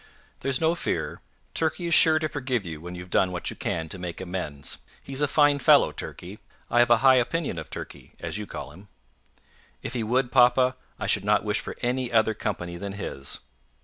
"There's no fear. Turkey is sure to forgive you when you've done what you can to make amends. He's a fine fellow, Turkey. I have a high opinion of Turkey as you call him." "If he would, papa, I should not wish for any other company than his."